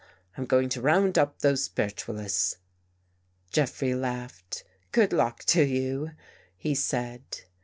I'm going to round up those spiritual ists." Jeffrey laughed. " Good luck to you," he said.